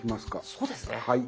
そうですね。